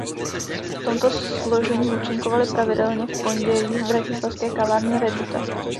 V tomto složení účinkovali pravidelně v pondělí v bratislavské kavárně Reduta.